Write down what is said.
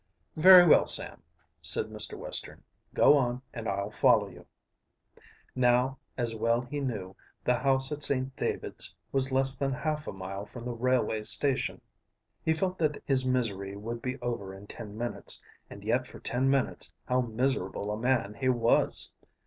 "Very well, Sam," said Mr. Western. "Go on and I'll follow you." Now, as he well knew, the house at St. David's was less than half a mile from the railway station. He felt that his misery would be over in ten minutes, and yet for ten minutes how miserable a man he was!